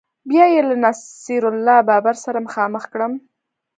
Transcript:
بیا یې له نصیر الله بابر سره مخامخ کړم